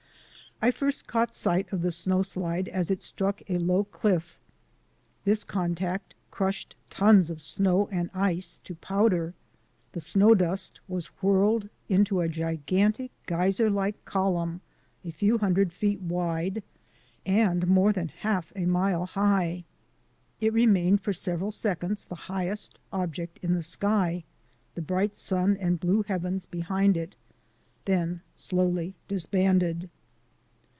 I first caught sight of the snowslide as it struck a low cliff. This contact crushed tons of snow and ice to powder. The snow dust was whirled into a gigantic geyser like column a few hundred feet wide and more than half a mile high. It re mained for several seconds the highest object in the sky, the bright sun and blue heavens behind it, then slowly disbanded.